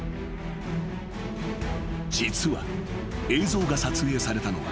［実は映像が撮影されたのは］